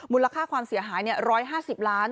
มูลค่าความเสียหาย๑๕๐ล้าน